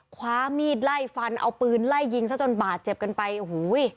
คว้ามีดไล่ฟันเอาปืนไล่ยิงซะจนบาดเจ็บกันไปโอ้โห